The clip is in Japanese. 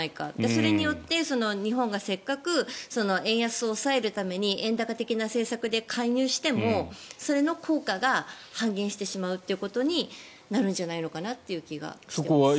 それによって日本がせっかく円安を抑えるために円高的な政策で介入しても、それの効果が半減してしまうということになるんじゃないかなという気がします。